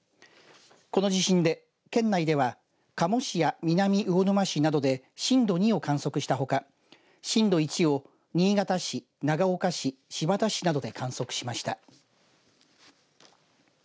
この地震で、県内では加茂市や南魚沼市などで震度２を観測したほか震度１を新潟市、長岡市新発田市などで観測しました。